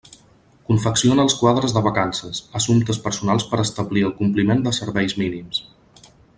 Confecciona els quadres de vacances, assumptes personals per a establir el compliment de serveis mínims.